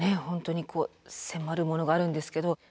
本当に迫るものがあるんですけど。